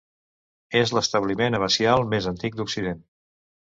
És l'establiment abacial més antic d'Occident.